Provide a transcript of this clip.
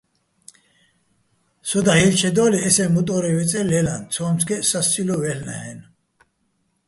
სო დაჰ̦ ჲელჩედო́ლიჼ ესე მუტო́რე ვეწე́ ლე́ლაჼ, ცო́მცგეჸ სასცილო́ ვაჲლ'ნა́ჰ̦-ა́ჲნო̆.